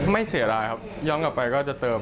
เสียดายครับย้อนกลับไปก็จะเติม